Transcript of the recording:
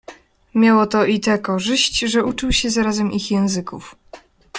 Miało to i tę korzyść, że uczył się zarazem ich języków.